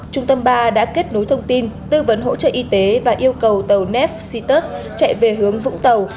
trung tâm ba đã kết nối thông tin tư vấn hỗ trợ y tế và yêu cầu tàu nep citus chạy về hướng vũng tàu